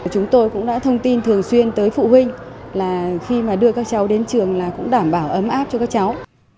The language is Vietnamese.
chúng tôi cũng đã thông tin thường xuyên tới phụ huynh là khi mà đưa các cháu đến trường là cũng đảm bảo ấm áp cho các cháu